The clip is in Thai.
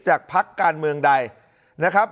พักการเมืองใดนะครับ